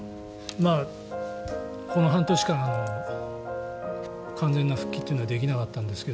この半年間、完全な復帰というのはできなかったんですが